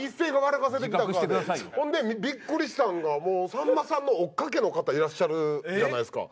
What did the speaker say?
ほんでびっくりしたんがさんまさんの追っかけの方いらっしゃるじゃないですか。